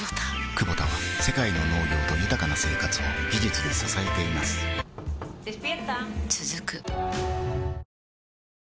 クボタは世界の農業と豊かな生活を技術で支えています起きて。